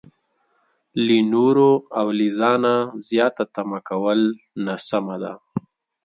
له نورو او له ځانه زياته تمه کول ناسمه ده.